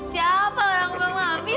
siapa orang belum ambil